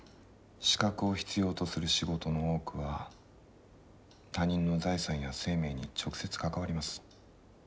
資格を必要とする仕事の多くは他人の財産や生命に直接関わります。